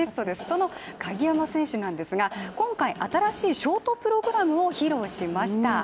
その鍵山選手なんですが今回新しいショートプログラムを用意しました。